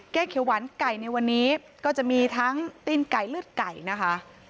เขียวหวานไก่ในวันนี้ก็จะมีทั้งติ้นไก่เลือดไก่นะคะ